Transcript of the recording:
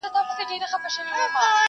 ما لیدلې د قومونو په جرګو کي!